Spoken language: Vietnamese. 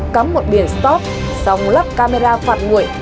cắm một biển stop xong lắp camera phạt nguội